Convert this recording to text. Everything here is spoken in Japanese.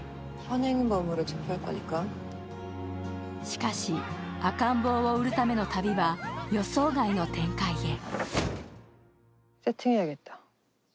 しかし赤ん坊を売るための旅は予想外の展開へ。